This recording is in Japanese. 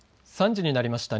３時になりました。